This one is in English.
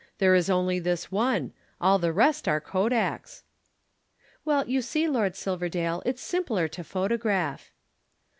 There is only this one. All the rest are Kodaks." "Well, you see, Lord Silverdale, it's simpler to photograph."